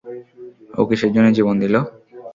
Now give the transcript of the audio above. ও কিসের জন্য জীবন দিল?